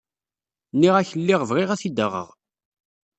Nniɣ-ak lliɣ bɣiɣ ad t-id-aɣeɣ.